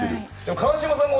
川島さん